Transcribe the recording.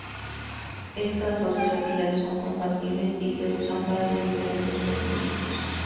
Estas dos teorías son compatibles y se usan para diferentes propósitos.